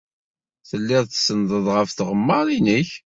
Telliḍ tsenndeḍ ɣef tɣemmar-nnek.